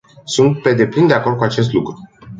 Sunt pe deplin de acord cu acest lucru.